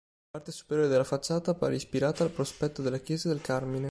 La parte superiore della facciata appare ispirata al prospetto della chiesa del Carmine.